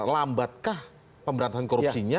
lambatkah pemberantasan korupsinya